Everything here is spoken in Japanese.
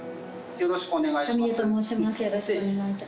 よろしくお願いします。